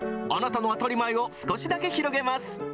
あなたの当たり前を少しだけ広げます。